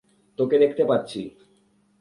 তোকে দেখতে পাচ্ছি!